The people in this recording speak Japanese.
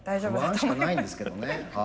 不安しかないんですけどね。